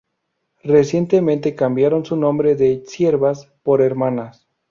Recientemente cambiaron su nombre de siervas por hermanas.